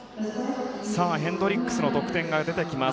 ヘンドリックスの得点が出てきます。